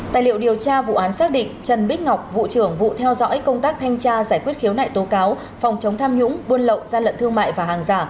tài liệu điều tra vụ án xác định trần bích ngọc vụ trưởng vụ theo dõi công tác thanh tra giải quyết khiếu nại tố cáo phòng chống tham nhũng buôn lậu gian lận thương mại và hàng giả